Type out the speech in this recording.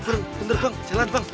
tunggu tunggu bang jalan bang